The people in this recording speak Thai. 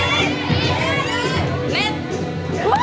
เป็นนี้แล้วนะครับ